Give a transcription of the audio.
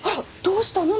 どうしたの？